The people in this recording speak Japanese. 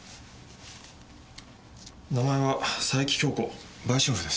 名前は佐伯杏子売春婦です。